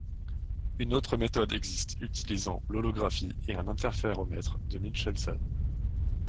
Une autre méthode existe, utilisant l'holographie et un interféromètre de Michelson.